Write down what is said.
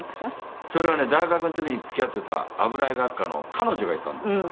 それはね大学の時に付き合っていた油絵学科の彼女がいたんですよ。